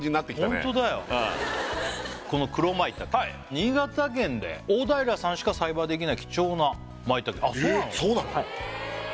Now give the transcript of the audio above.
ホントだよこの黒舞茸新潟県で大平さんしか栽培できない貴重な舞茸あっそうなの？